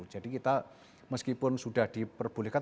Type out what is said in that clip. jadi kita meskipun sudah diperbolehkan